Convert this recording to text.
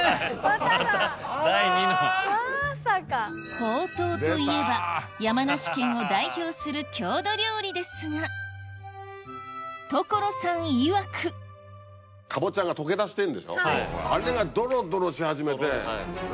ほうとうといえば山梨県を代表する郷土料理ですが所さんいわくあれが。